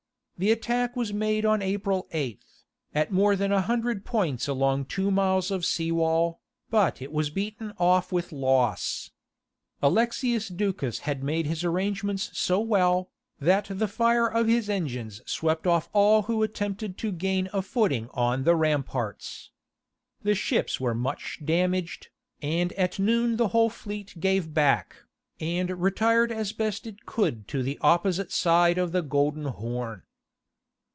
The attack was made on April 8th, at more than a hundred points along two miles of sea wall, but it was beaten off with loss. Alexius Ducas had made his arrangements so well, that the fire of his engines swept off all who attempted to gain a footing on the ramparts. The ships were much damaged, and at noon the whole fleet gave back, and retired as best it could to the opposite side of the Golden Horn.